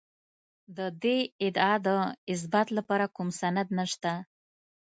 د دې ادعا د اثبات لپاره کوم سند نشته